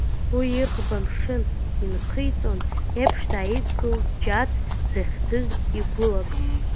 Уи иӷба амшын инхиҵон еиԥш, дааидгылеит Џьаҭ зыхьӡыз игәылак.